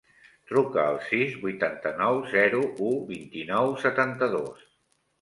Truca al sis, vuitanta-nou, zero, u, vint-i-nou, setanta-dos.